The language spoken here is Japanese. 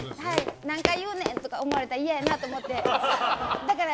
何回言うねんとか思われたらいやなと思って。